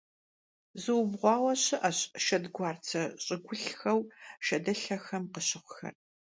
Зыубгъуауэ щыӀэщ шэдгуарцэ щӀыгулъхэу шэдылъэхэм къыщыхъухэр.